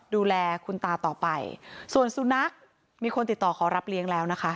ดูแลคุณตาต่อไปส่วนสุนัขมีคนติดต่อขอรับเลี้ยงแล้วนะคะ